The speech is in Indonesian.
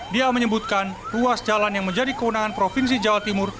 dia menyebutkan ruas jalan yang menjadi kewenangan provinsi jawa timur